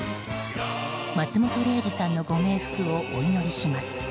松本零士さんのご冥福をお祈りします。